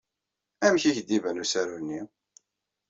Amek ay ak-d-iban usaru-nni?